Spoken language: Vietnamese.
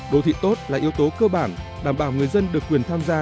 đô thị tốt là yếu tố cơ bản đảm bảo người dân được quyền tham gia